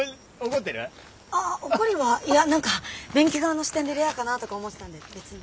ああ怒りはいや何か便器側の視点でレアかなとか思ってたんで別に。